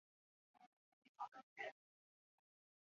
山西忻州人。